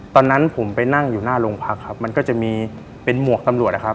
ตอนนั้นผมไปนั่งอยู่หน้าโรงพักครับมันก็จะมีเป็นหมวกตำรวจนะครับ